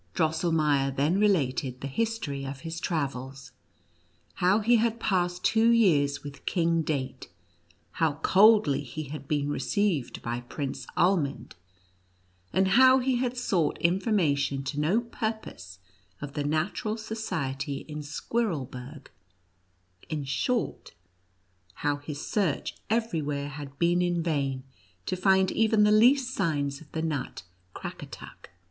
Drosselmeier then related the history 78 NUTCEACKER AND MOUSE KGNTG. of his travels : how he had passed two years with King Date, how coldly he had been received by Prince Almond, and how he had sought infor mation to no purpose of the Natural Society in Squirrelberg — in short, how his search every where had been in vain to find even the least signs of the nut Crackatuck.